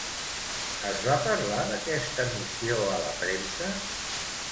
Es va parlar d'aquesta missió a la premsa?